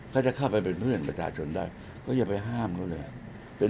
เขาจะเข้าไปเป็นเพื่อนประชาชนได้ก็อย่าไปห้ามเขาเลย